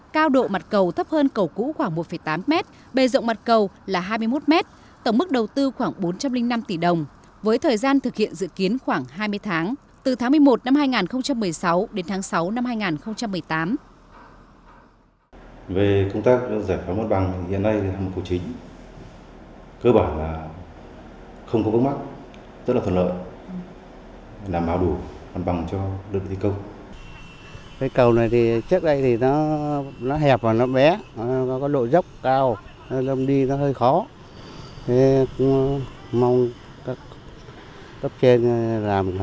cao độ mặt cầu thấp hơn cầu cũ khoảng một tám m bề rộng mặt cầu là hai mươi một m tổng mức đầu tư khoảng bốn trăm linh năm tỷ đồng với thời gian thực hiện dự kiến khoảng hai mươi tháng từ tháng một mươi một năm hai nghìn một mươi sáu đến tháng sáu năm hai nghìn một mươi tám